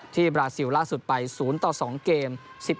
บราซิลล่าสุดไป๐ต่อ๒เกม